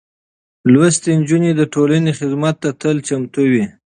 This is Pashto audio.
لوستې نجونې د ټولنې خدمت ته تل چمتو وي.